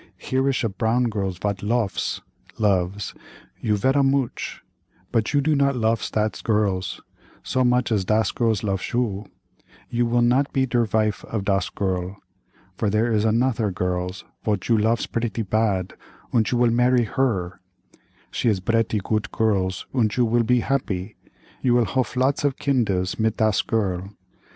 Here ish a brown girls vot lofs (loves) you vera mooch, but you do not lofs dat girls, so much as das girls lofs you—you will not be der vife of das girl, for there is anunther girls vot you lofs bretty bad und you will marry her; she is bretty goot girls und you will be happy, you will hof lots of kindes mit das girls.